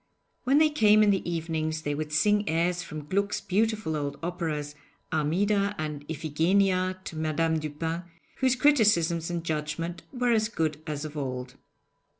When they came in the evenings, they would sing airs from Gluck's beautiful old operas 'Armida' and 'Iphigenia' to Madame Dupin, whose criticisms and judgment were as good as of old.